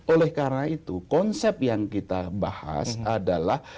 oleh karena itu konsep yang kita bahas adalah